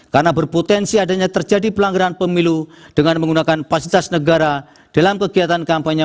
karena berpotensi adanya terjadi pelanggaran pemilu dengan menggunakan pasitas negara dalam kegiatan kampanye